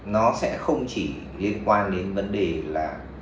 nó sẽ không chỉ liên quan đến vấn đề là